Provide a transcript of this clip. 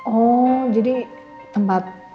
oh jadi tempat